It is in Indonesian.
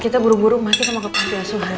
kita buru buru masih mau ke pantai asuhan